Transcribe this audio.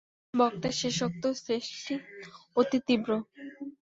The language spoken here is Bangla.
বক্তার শেষোক্ত শ্লেষটি অতি তীব্র।